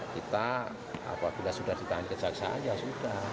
kita apabila sudah ditahan kejaksaan ya sudah